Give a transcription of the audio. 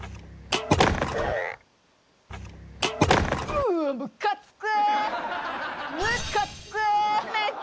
うわっ⁉ムカつく！